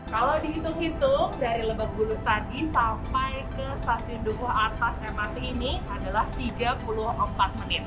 kalau dihitung hitung dari lebak bulus tadi sampai ke stasiun dukuh atas mrt ini adalah tiga puluh empat menit